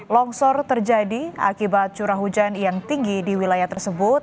longsor terjadi akibat curah hujan yang tinggi di wilayah tersebut